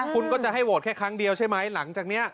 คุณก็จะให้โหวตแค่ครั้งเดียวใช่ไหมหลังจากนี้